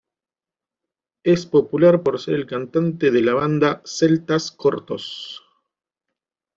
Es popular por ser el cantante de la banda Celtas Cortos.